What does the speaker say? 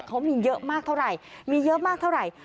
เขามีเยอะมากเท่าไหร่มีเยอะมากเท่าไหร่